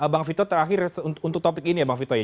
bang vito terakhir untuk topik ini ya bang vito ya